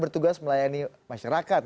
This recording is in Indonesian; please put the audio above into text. bertugas melayani masyarakat